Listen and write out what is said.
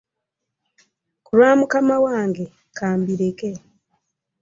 Ku lwa mukama wange ka mbireke.